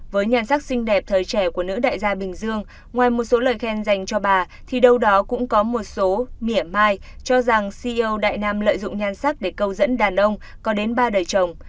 với nhan sắc xinh đẹp thời trẻ của nữ đại gia bình dương ngoài một số lời khen dành cho bà thì đâu đó cũng có một số mỉa mai cho rằng ceo đại nam lợi dụng nhan sắc để câu dẫn đàn ông có đến ba đời chồng